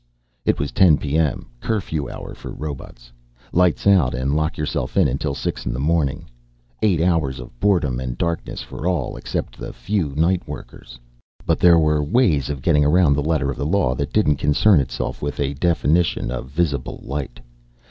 It was ten P.M., curfew hour for robots. Lights out and lock yourself in until six in the morning, eight hours of boredom and darkness for all except the few night workers. But there were ways of getting around the letter of a law that didn't concern itself with a definition of visible light.